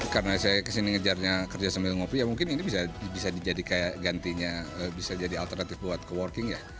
karena saya kesini ngejarnya kerja sambil ngopi ya mungkin ini bisa jadi alternatif buat co working ya